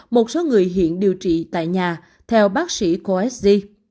một số người hiện điều trị tại nhà theo bác sĩ khoa s d